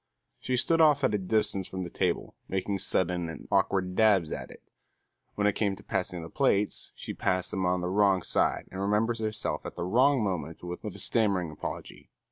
She stood off at a distance from the table making sudden and awkward dabs at it. When it came to passing the plates, she passed them on the wrong side and remembered herself at the wrong moment with a stammering apology.